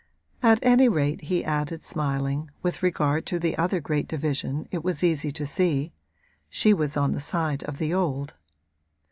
At any rate, he added, smiling, with regard to the other great division it was easy to see she was on the side of the old.